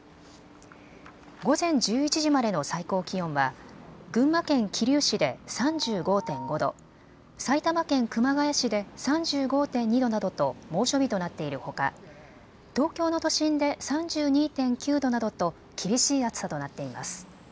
午前１１時までの最高気温は群馬県桐生市で３５．５度、埼玉県熊谷市で３５．２度などと猛暑日となっているほか東京の都心で３２．９度などと厳しい暑さとなっています。